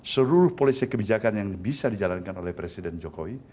seluruh polisi kebijakan yang bisa dijalankan oleh presiden jokowi